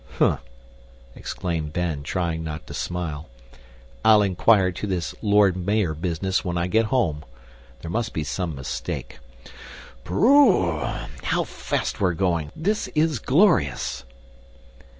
"Humph!" exclaimed Ben, trying not to smile. "I'll inquire into that Lord Mayor business when I get home. There must be some mistake. B r r roooo! How fast we're going. This is glorious!"